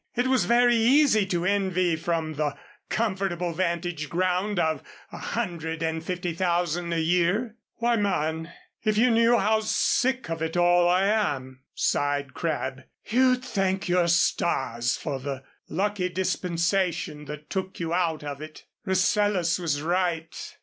It was very easy to envy from the comfortable vantage ground of a hundred and fifty thousand a year. "Why, man, if you knew how sick of it all I am," sighed Crabb, "you'd thank your stars for the lucky dispensation that took you out of it. Rasselas was right.